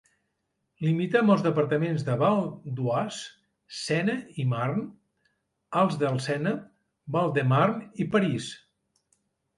Limita amb els departaments de Val-d'Oise, Sena i Marne, Alts del Sena, Val-de-Marne i París.